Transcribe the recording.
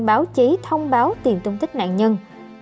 báo chí thông báo tìm thông tích nạn nhân